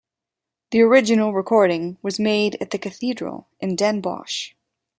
The original recording was made at the cathedral in Den Bosch.